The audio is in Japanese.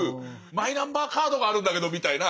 マイナンバーカードもあるんだけどみたいな。